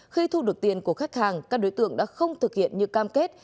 khi thu được tiền của khách hàng các đối tượng đã không thực hiện như cam kết